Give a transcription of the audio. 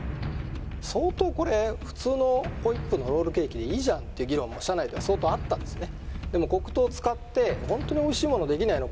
相当これ普通のホイップのロールケーキでいいじゃんって議論も社内では相当あったんですね